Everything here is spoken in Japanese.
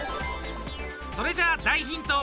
それじゃあ大ヒント。